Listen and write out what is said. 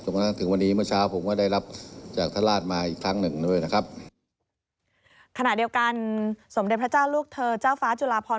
ขณะเดียวกันสมเด็จพระเจ้าลูกเธอเจ้าฟ้าจุลาพร